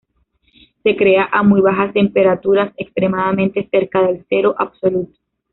Se crea a muy bajas temperaturas, extremadamente cerca del cero absoluto.